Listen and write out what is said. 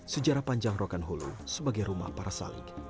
sejarah panjang rokan hulu sebagai rumah para salib